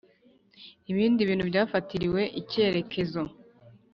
ibindi bintu byafatiriwe icyerekezo